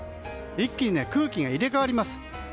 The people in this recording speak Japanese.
一気に空気が入れ替わります。